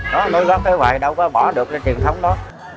nó nối góp nối hoài đâu có bỏ được cái truyền thống đó